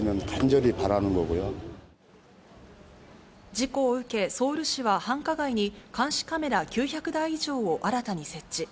事故を受け、ソウル市は繁華街に監視カメラ９００台以上を新たに設置。